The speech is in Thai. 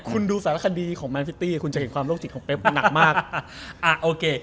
คุณดูสารคดีของแมนซิตตี้คุณจะเห็นการลดจิดของเปฟหนักมาก